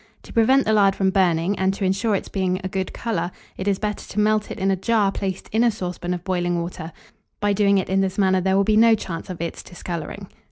To prevent the lard from burning, and to insure its being a good colour, it is better to melt it in a jar placed in a saucepan of boiling water; by doing it in this manner, there will be no chance of its discolouring.